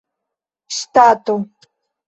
ŝtato